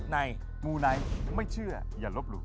มูไนท์ไม่เชื่ออย่าลบหลู่